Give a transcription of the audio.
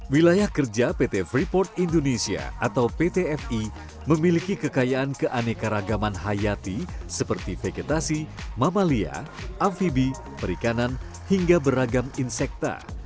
wilayah kerja pt freeport indonesia atau pt fi memiliki kekayaan keanekaragaman hayati seperti vegetasi mamalia amfibi perikanan hingga beragam insekta